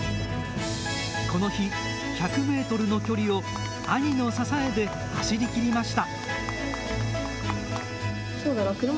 この日、１００メートルの距離を兄の支えで走りきりました。